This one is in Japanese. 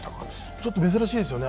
ちょっと珍しいですよね。